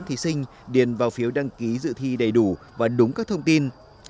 thí sinh điền vào phiếu đăng ký dự thi đầy đủ và đúng các thông tin